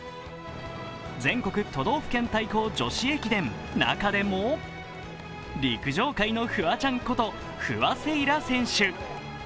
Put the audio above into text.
全国都道府県対抗女子駅伝、中でも陸上界のフワちゃんこと不破聖衣来選手。